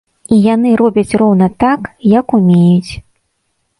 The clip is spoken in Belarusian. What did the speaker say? І яны робяць роўна так, як умеюць.